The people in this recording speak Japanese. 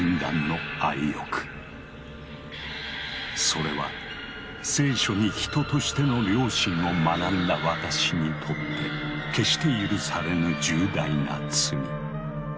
それは「聖書」に人としての良心を学んだ私にとって決して許されぬ重大な罪。